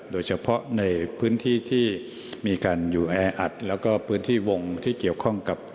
โดยเฉพาะในพื้นที่ที่มีการอยู่แออัดแล้วก็พื้นที่วงที่เกี่ยวข้องกับ